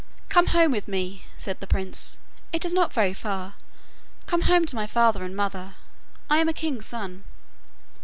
'Come home with me,' said the prince; 'it is not very far. Come home to my father and mother. I am a king's son.